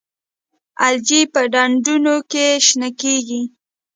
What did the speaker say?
الجی په ډنډونو کې شنه کیږي